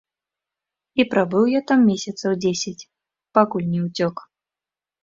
І прабыў я там месяцаў дзесяць, пакуль не ўцёк.